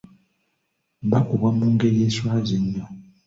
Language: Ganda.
Bakubwa mu ngeri eswaza ennyo!